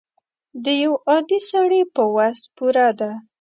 د یو عادي سړي په وس پوره ده.